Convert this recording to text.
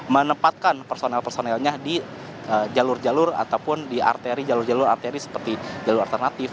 menempatkan personel personelnya di jalur jalur ataupun di arteri jalur jalur arteri seperti jalur alternatif